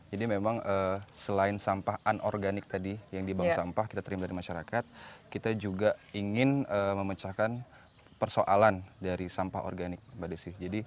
jadi memang selain sampah non organik tadi yang dibangun sampah kita terima dari masyarakat kita juga ingin memecahkan persoalan dari sampah organik mbak desy